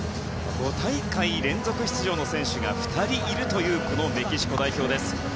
５大会連続出場の選手が２人いるというこのメキシコ代表です。